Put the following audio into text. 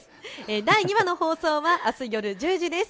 第２話の放送はあす夜１０時です。